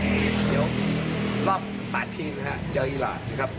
เดี๋ยวรอบ๘ทีมนะครับเจออีรานนะครับ